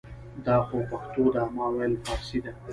دا خو پښتو ده ما ویل فارسي ده